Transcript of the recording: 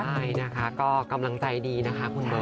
ใช่นะคะก็กำลังใจดีนะคะคุณเบิร์ต